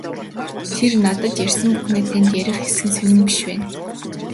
Тэр надад ярьсан бүхнээ танд ярих эсэх нь сонин байна.